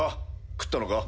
食ったのか？